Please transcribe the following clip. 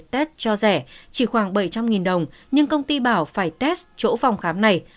tết cho rẻ chỉ khoảng bảy trăm linh đồng nhưng công ty bảo phải test chỗ phòng khám này